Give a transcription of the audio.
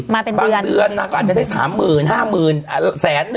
บางเดือนอาจจะได้๓๐๐๐๐บาท๕๐๐๐๐บาท